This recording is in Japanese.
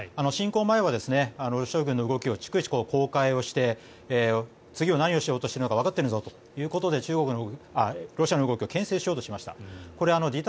侵攻前はロシア軍の動きを逐一公開をして次何をしようとしているのかわかっているぞということでロシアの動きをけん制しようとしました。